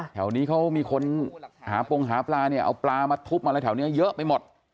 แถวนี้เขามีคนหาปงหาปลาเนี่ยเอาปลามาทุบอะไรแถวนี้เยอะไปหมด